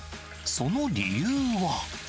その理由は。